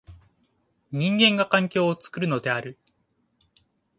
人間が環境を作るのである。